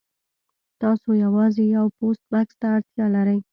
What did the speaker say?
تاسو یوازې یو پوسټ بکس ته اړتیا لرئ